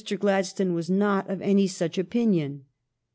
Gladstone was not of any such opinion.